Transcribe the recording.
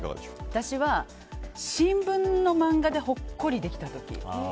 私は新聞の漫画でほっこりできた時。